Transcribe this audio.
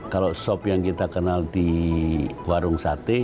kalau sop yang kita kenal di warung sate